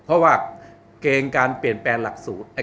เพราะว่าเกณฑ์การเปลี่ยนแปลงหลักสูตร